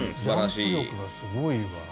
ジャンプ力がすごいわ。